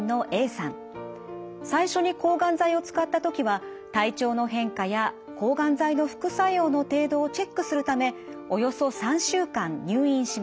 最初に抗がん剤を使った時は体調の変化や抗がん剤の副作用の程度をチェックするためおよそ３週間入院しました。